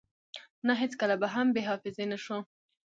نه هیڅکله به هم بی حافظی نشو